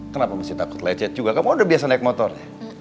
kenapa masih takut lecet juga kamu udah biasa naik motor ya